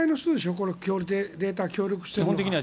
このデータに協力しているのは。